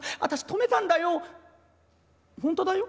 止めたんだよ。